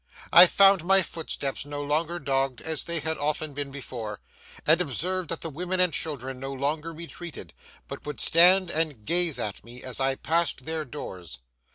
I found my footsteps no longer dogged, as they had often been before, and observed that the women and children no longer retreated, but would stand and gaze at me as I passed their doors.